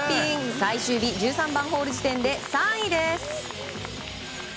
最終日１３番ホール時点で３位です。